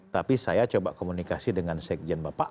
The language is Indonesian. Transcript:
tapi saya coba komunikasi dengan sekjen bapak